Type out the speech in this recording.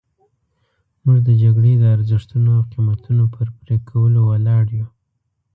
موږ د جګړې د ارزښتونو او قیمتونو پر پرې کولو ولاړ یو.